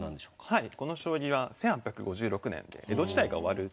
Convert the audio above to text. はい。